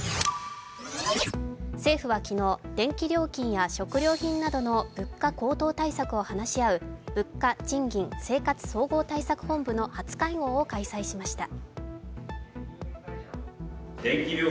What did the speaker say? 政府は昨日、電気料金や食料品などの物価高騰対策を話し合う、物価・賃金・生活総合対策本部の初会合を開催しました。